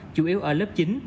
chủ yếu ở lớp chín